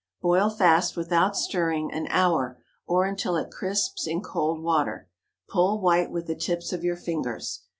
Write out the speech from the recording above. Boil fast without stirring, an hour, or until it crisps in cold water. Pull white with the tips of your fingers.